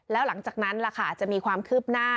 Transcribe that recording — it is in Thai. แล้วหลังจากนั้นล่ะค่ะจะมีความคืบหน้า